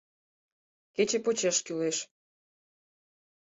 — Кече почеш кӱлеш...